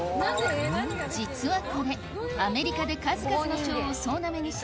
実はこれアメリカで数々の賞を総なめにした